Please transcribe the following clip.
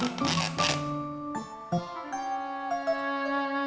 engkau belum diikep